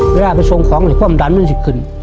เวลาไปช่งของคว่ำดันมันเจ็บขึ้น